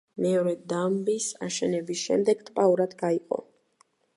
მეორე დამბის აშენების შემდეგ, ტბა ორად გაიყო.